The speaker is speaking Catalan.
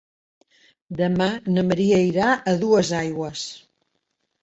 Demà na Maria irà a Duesaigües.